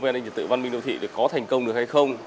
an ninh trật tự văn minh đô thị có thành công được hay không